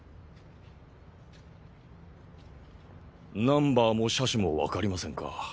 ナンバーも車種も分かりませんか。